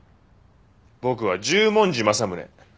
僕は十文字政宗。